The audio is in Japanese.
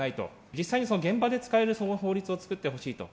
実際に現場で使える法律を作ってほしいと。